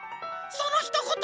そのひとこと